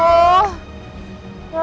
mau lo ngasih jalan